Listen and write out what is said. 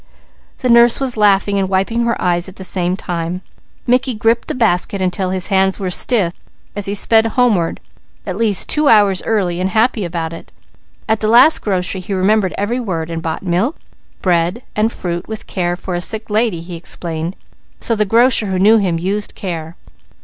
The nurse was laughing and wiping her eyes at the same time. Mickey gripped the basket until his hands were stiff as he sped homeward at least two hours early and happy about it. At the last grocery he remembered every word and bought bread, milk, and fruit with care "for a sick lady" he explained, so the grocer, who knew him, used care.